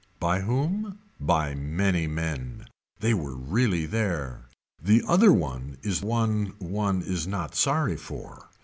By whom. By many men. They were really there. The other one is one one is not sorry for.